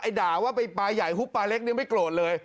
ด่าว่าไปปลาใหญ่ฮุบปลาเล็กนี่ไม่โกรธเลย